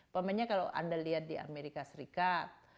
pokoknya kalau anda lihat di amerika serikat